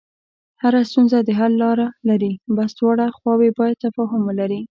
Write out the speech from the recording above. هره ستونزه د حل لاره لري، بس دواړه خواوې باید تفاهم ولري.